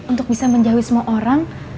untuk bisa menjauhi semua orang